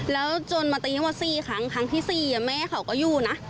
แล้วจนมาตีว่า๔ครั้งครั้งที่๔แม่เขาก็อยู่นะ